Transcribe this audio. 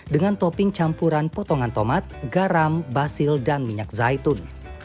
dengan topping campuran potongan tomat garam basil dan minyak zaitun